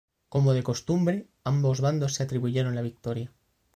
Como de costumbre ambos bandos se atribuyeron la victoria.